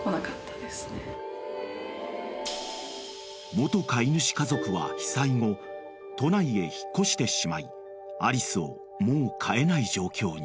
［元飼い主家族は被災後都内へ引っ越してしまいアリスをもう飼えない状況に］